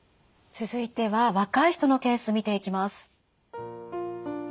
続いては若い人のケース見ていきます。